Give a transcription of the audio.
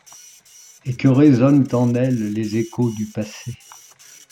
Et que résonnent en elle les échos du passé...